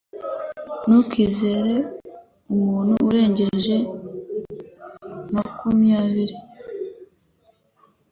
Ntukizere umuntu urengeje makumyabiri.